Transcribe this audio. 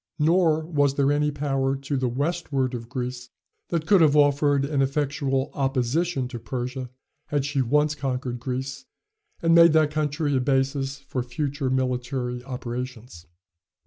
Nor was there any power to the westward of Greece that could have offered an effectual opposition to Persia, had she once conquered Greece, and made that country a basis for future military operations.